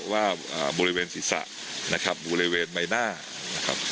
ว่าบริเวณศีรษะนะครับบริเวณใบหน้านะครับ